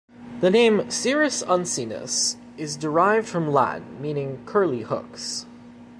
The name "cirrus uncinus" is derived from Latin, meaning "curly hooks".